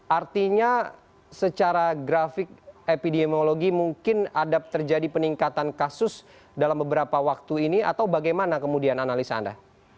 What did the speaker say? artinya secara grafik epidemiologi mungkin ada terjadi peningkatan kasus dalam beberapa waktu ini atau bagaimana kemudian analisa anda